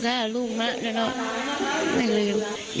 บาลหัวใจเหาะมาเดียวเลย